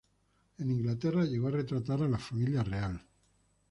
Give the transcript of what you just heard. En Inglaterra llegó a retratar a la familia real.